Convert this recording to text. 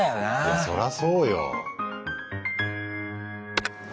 いやそらそうよ。